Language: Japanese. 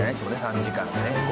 ３時間ね。